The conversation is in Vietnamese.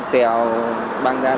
tèo băng ra